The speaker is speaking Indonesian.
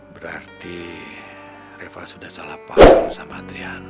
berarti reva sudah salah paham sama adrian